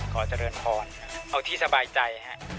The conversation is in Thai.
ขอเจริญพรเอาที่สบายใจฮะ